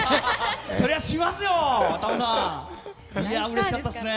そりゃしますよ！